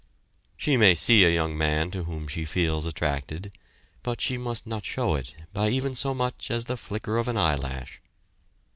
She may see a young man to whom she feels attracted, but she must not show it by even so much as the flicker of an eyelash.